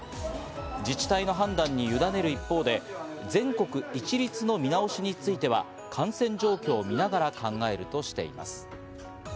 自治体の判断にゆだねる一方で、全国一律の見直しについては感染状況を見ながら考えるとしています。